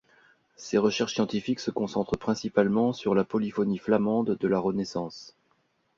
Ses recherches scientifiques se concentrent principalement sur la polyphonie flamande de la Renaissance.